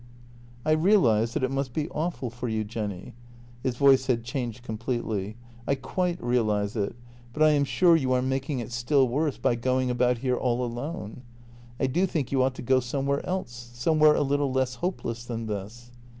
" I realize that it must be awful for you, Jenny." His voice had changed completely. " I quite realize it, but I am sure JENNY 2 44 you are making it still worse by going about here all alone. I do think you ought to go somewhere else — somewhere a little less hopeless than this."